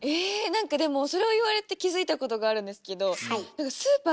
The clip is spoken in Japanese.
なんかでもそれを言われて気付いたことがあるんですけどだから室内が。